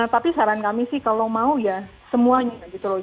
tapi saran kami sih kalau mau ya semuanya gitu loh